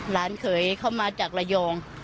เขยเข้ามาจากระยอง